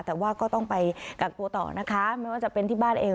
แต่ว่าก็ต้องไปกักตัวต่อนะคะไม่ว่าจะเป็นที่บ้านเอง